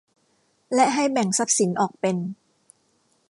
และให้แบ่งทรัพย์สินออกเป็น